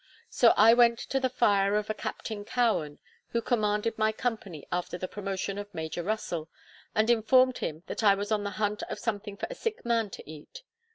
So I went to the fire of a Captain Cowen, who commanded my company after the promotion of Major Russell, and informed him that I was on the hunt of something for a sick man to eat.